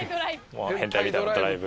「変態みたいなドライブ」？